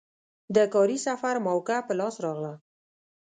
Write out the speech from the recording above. د کاري سفر موکه په لاس راغله.